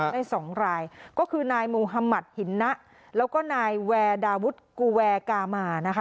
ได้สองรายก็คือนายมูฮัมมัดหินนะแล้วก็นายแวร์ดาวุทกูแวร์กามานะคะ